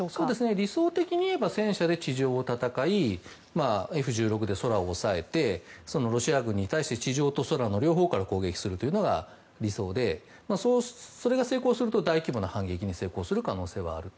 理想的に言えば戦車で地上を戦いＦ１６で空を抑えてロシア軍に対して地上と空の両方から攻撃するというのが理想で、それが成功すると大規模な反撃に成功する可能性があると。